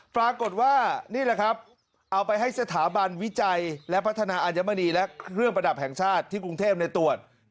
ปรากฏว่านี่แหละครับเอาไปให้สถาบันวิจัยและพัฒนาอัญมณีและเครื่องประดับแห่งชาติที่กรุงเทพตรวจ